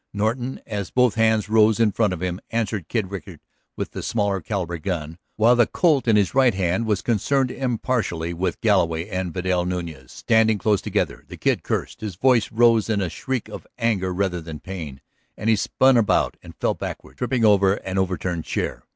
Norton, as both hands rose in front of him, answered Kid Rickard with the smaller caliber gun while the Colt in his right hand was concerned impartially with Galloway and Vidal Nuñez, standing close together. The Kid cursed, his voice rose in a shriek of anger rather than pain, and he spun about and fell backward, tripping over an overturned chair.